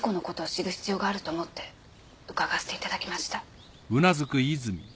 知る必要があると思って伺わせていただきました。